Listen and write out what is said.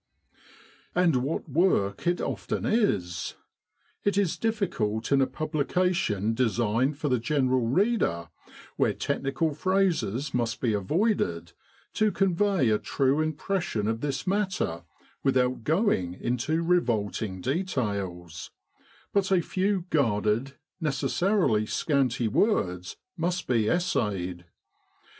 " And what work it often is! It is difficult in a publication designed for the general reader, where technical phrases must be avoided, to convey a true impression of this matter without going into revolting details; but a few guarded, necessarily scanty words must be essayed.